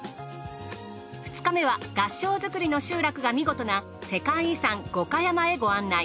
２日目は合掌造りの集落が見事な世界遺産五箇山へご案内。